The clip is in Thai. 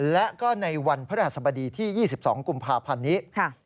และก็ในวันพระราชสมดีที่๒๒กุมภาพันธ์นี้